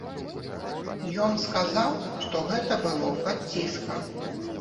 Ён сказаў, што гэта было пад ціскам.